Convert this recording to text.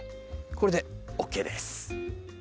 これでＯＫです。